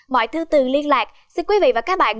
mọi thư từ liên lạc xin quý vị và các bạn